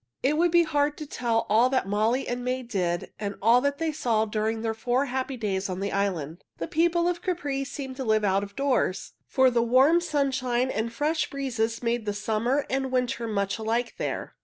It would be hard to tell all that Molly and May did and all that they saw during four happy days on the island. The people of Capri seem to live out of doors, for the warm sunshine and fresh breezes make summer and winter much alike there.